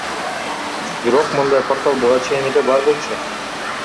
Бирок мындай портал буга чейин эле бар болчу.